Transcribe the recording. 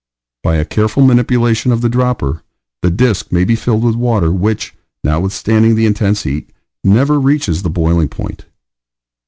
By a careful manipulation of the dropper, the disk may be filled with water which, notwithstanding the intense heat, never reaches the boiling point.